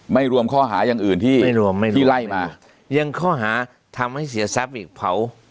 ไม่รวมข้อหาอย่างอื่นที่ไม่รวมไม่รวมที่ไล่มายังข้อหาทำให้เสียทรัพย์อีกเผา